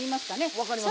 分かります。